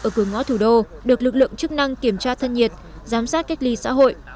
ở cửa ngõ thủ đô được lực lượng chức năng kiểm tra thân nhiệt giám sát cách ly xã hội